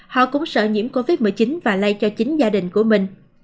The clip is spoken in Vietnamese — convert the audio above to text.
họ cũng sợ nhiễm covid một mươi chín và lây cho chính gia đình của mình